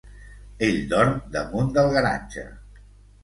Ell dorm damunt del garatge.